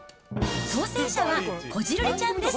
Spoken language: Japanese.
当せん者はこじるりちゃんです。